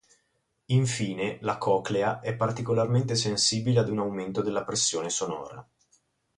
Infine, la coclea è particolarmente sensibile ad un aumento della pressione sonora.